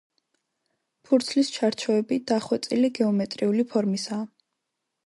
ფურცლის ჩარჩოები დახვეწილი გეომეტრიული ფორმისაა.